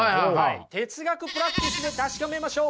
哲学プラクティスで確かめましょう。